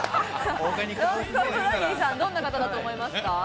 ロングコートダディさん、どんな方だと思いますか？